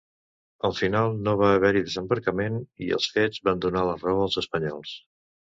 Al final no va haver-hi desembarcament, i els fets van donar la raó als espanyols.